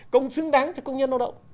công xứng đáng cho công nhân lao động